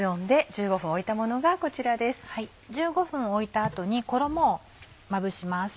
１５分置いた後に衣をまぶします。